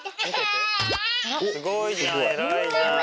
すごいじゃん。